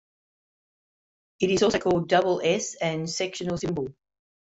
It is also called "double S" and "sectional symbol".